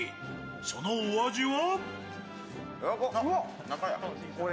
そのお味は？